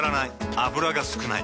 油が少ない。